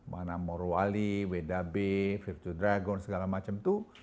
di manamoroa wali wdb virtu dragon segala macam itu